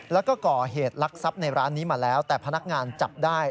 แล้วก็ก่อเหตุลักษัพในร้านนี้มาแล้วแต่พนักงานจับได้